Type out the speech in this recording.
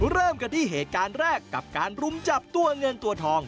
เริ่มกันที่เหตุการณ์แรกกับการรุมจับตัวเงินตัวทอง